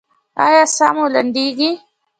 ایا ساه مو لنډیږي؟